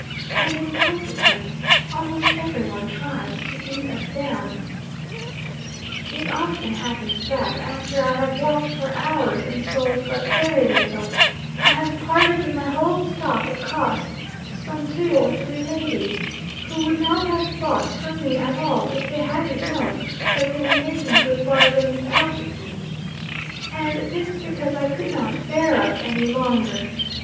And in consequence, almost every one tries to beat us down. "It often happens that, after I have walked for hours and sold but very little, I have parted with my whole stock at cost to some two or three ladies, who would not have bought from me at all if they hadn't known that they were making good bargains out of me; and this because I could not bear up any longer.